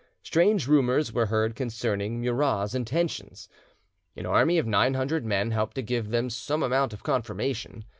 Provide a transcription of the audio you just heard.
Strange rumours were heard concerning Murat's intentions. An army of nine hundred men helped to give them some amount of confirmation.